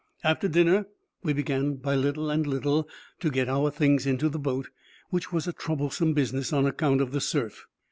After dinner, we began, by little and little, to get our things into the boat, which was a troublesome business, on account of the surf.